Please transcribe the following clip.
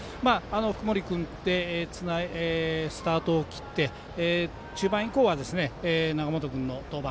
福盛君でスタートを切って中盤以降は永本君の登板。